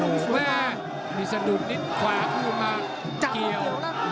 โหแม่มีสะดุดนิดขวาคู่มาเกี่ยว